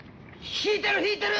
引いてる、引いてる。